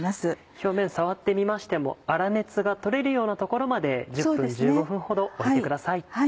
表面触ってみましても粗熱がとれるようなところまで１０分１５分ほどおいてください。